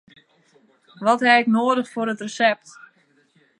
Wat haw ik nedich foar it resept?